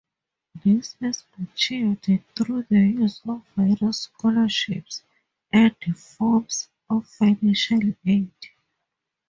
This as achieved through the use of various scholarships and forms of financial aid.